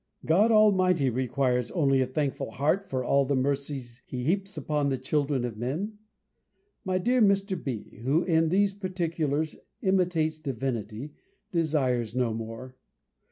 God Almighty requires only a thankful heart for all the mercies he heaps upon the children of men; my dear Mr. B., who in these particulars imitates Divinity, desires no more.